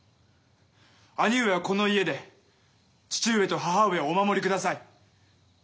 兄上はこの家で父上と母上をお守りください。